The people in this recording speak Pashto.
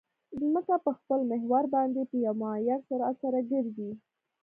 ځمکه په خپل محور باندې په یو معین سرعت سره ګرځي